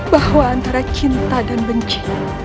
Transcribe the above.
bahwa antara cinta dan benci